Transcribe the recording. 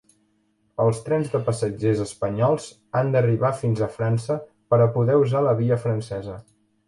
Els trens de passatgers espanyols han d'arribar fins a França per a poder usar la via francesa.